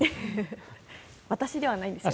私ではないんですよ。